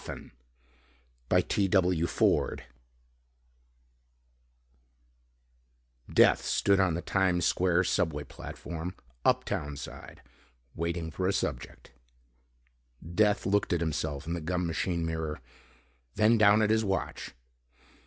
Death stood on the Times Square subway platform, uptown side, waiting for a subject. Death looked at himself in the gum machine mirror, then down at his watch.